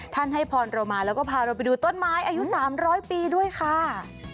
ให้พรเรามาแล้วก็พาเราไปดูต้นไม้อายุ๓๐๐ปีด้วยค่ะ